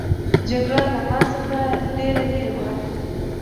جګړه له ما څخه ډېره لیري وه.